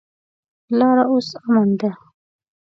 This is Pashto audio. لاره اوس امن ده.